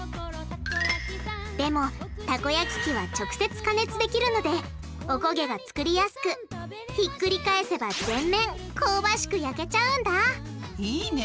でもたこ焼き器は直接加熱できるのでおこげが作りやすくひっくり返せば全面香ばしく焼けちゃうんだいいね！